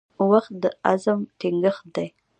• وخت د عزم ټینګښت دی.